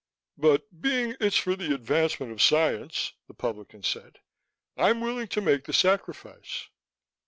"But being it's for the advancement of science," the publican said, "I'm willing to make the sacrifice."